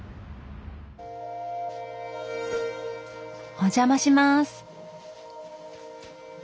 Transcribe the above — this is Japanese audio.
お邪魔します。